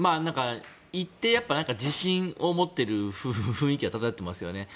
一定の自信を持っている雰囲気が漂っていますよね。